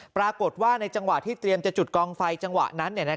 ปรากฏว่าในจังหวะที่เตรียมจะจุดกองไฟจังหวะนั้น